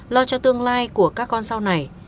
lo cho tương lai của các con sau này